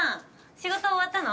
仕事終わったの？